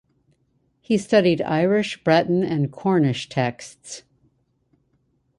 He studied Irish, Breton and Cornish texts.